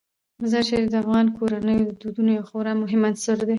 مزارشریف د افغان کورنیو د دودونو یو خورا مهم عنصر دی.